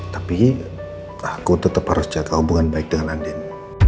tapi aku tetap harus jaga hubungan baik dengan andin